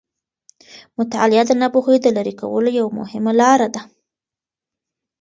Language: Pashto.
مطالعه د ناپوهي د لیرې کولو یوه مهمه لاره ده.